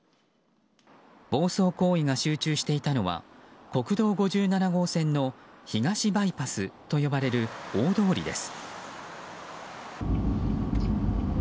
暴走行為が集中していたのは国道５７号線の東バイパスと呼ばれる大通りです。